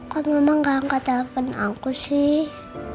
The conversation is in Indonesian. kok mama gak angkat telepon aku sih